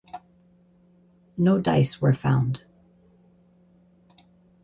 No dice were found.